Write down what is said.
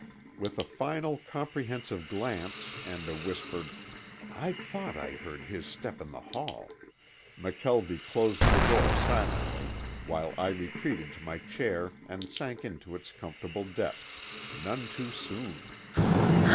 With a final comprehensive glance, and a whispered, "I thought I heard his step in the hall," McKelvie closed the door silently while I retreated to my chair and sank into its comfortable depths, none too soon.